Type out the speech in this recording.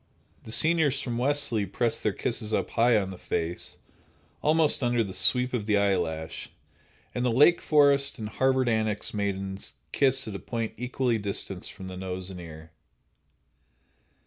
The seniors from Wellesley press their kisses high up on the face, almost under the sweep of the eyelash, and the Lake Forest and Harvard Annex maidens kiss at a point equally distant from the nose and ear.